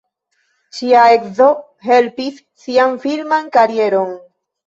Ŝia edzo helpis sian filman karieron.